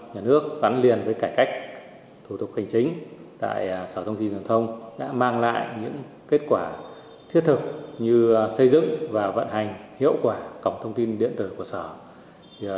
nhà nước gắn liền với cải cách thủ tục hành chính tại sở thông tin truyền thông đã mang lại những kết quả thiết thực như xây dựng và vận hành hiệu quả cổng thông tin điện tử của sở